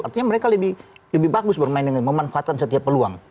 artinya mereka lebih bagus bermain dengan memanfaatkan setiap peluang